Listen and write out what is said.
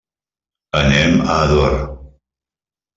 Anem a Ador.